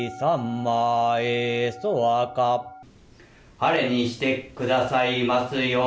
晴れにしてくださいますよう。